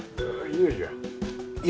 いやいや